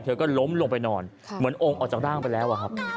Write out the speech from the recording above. เธอก็ล้มลงไปนอนเหมือนองค์ออกจากด้างไปแล้ว